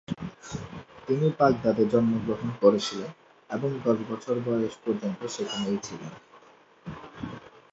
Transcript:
তিনি বাগদাদে জন্মগ্রহণ করেছিলেন এবং দশ বছর বয়স পর্যন্ত সেখানেই ছিলেন।